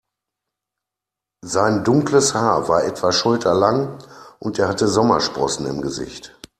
Sein dunkles Haar war etwa schulterlang und er hatte Sommersprossen im Gesicht.